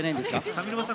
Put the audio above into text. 上沼さん